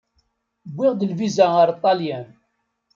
Wwiɣ-d lviza ar Ṭelyan.